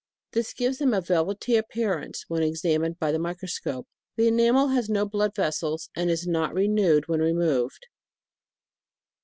This gives them a velvety appearance when examined by the microscope. The enamel has no blood vessels, and is not re newed when removed.